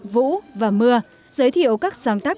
vũ và mưa giới thiệu các sáng tác